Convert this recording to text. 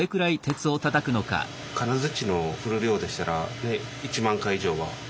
金づちの振る量でしたら１万回以上は。